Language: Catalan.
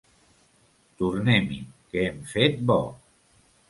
Tornem-hi que hem fet bo.